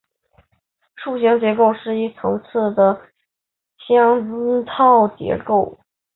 树形结构是一层次的嵌套结构。